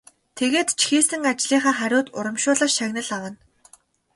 Тэгээд ч хийсэн ажлынхаа хариуд урамшуулал шагнал авна.